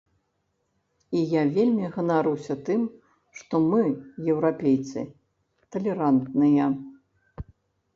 І я вельмі ганаруся тым, што мы, еўрапейцы, талерантныя.